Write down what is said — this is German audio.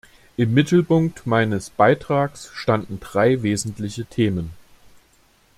Im Mittelpunkt meines Beitrags standen drei wesentliche Themen.